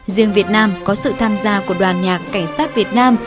riêng việt nam có sự tham gia của đoàn nhạc cảnh sát việt nam